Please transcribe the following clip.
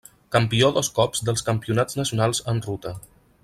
Campió dos cops dels campionats nacionals en ruta.